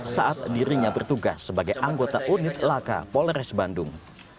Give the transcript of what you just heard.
saat dirinya bertugas sebagai anggota unit laka polres bandung